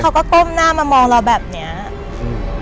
เขาก็ก้มหน้ามามองเราแบบเนี้ยอืม